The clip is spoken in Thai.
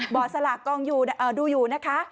บอสลากดูอยู่นะคะ